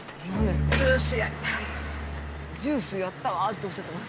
「ジュースやったわ」っておっしゃってます。